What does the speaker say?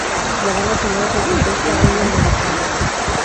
La banda sonora fue compuesta Ennio Morricone.